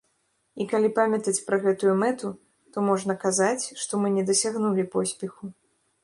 І калі памятаць пра гэтую мэту, то можна казаць, што мы не дасягнулі поспеху.